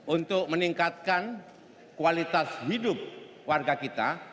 untuk meningkatkan kualitas hidup warga kita